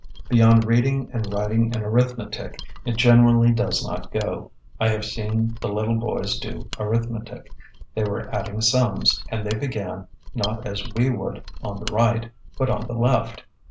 Beyond reading and writing and arithmetic it generally does not go. I have seen the little boys do arithmetic. They were adding sums, and they began, not as we would, on the right, but on the left.